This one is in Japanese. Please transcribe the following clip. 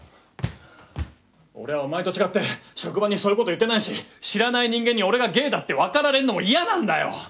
俺はお前と違って職場にそういうこと言ってないし知らない人間に俺がゲイだってわかられるのも嫌なんだよ。